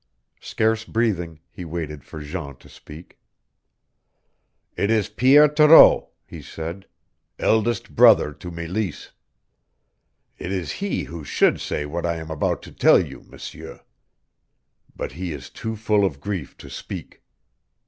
Scarce breathing, he waited for Jean to speak. "It is Pierre Thoreau," he said, "eldest brother to Meleese. It is he who should say what I am about to tell you, M'seur. But he is too full of grief to speak.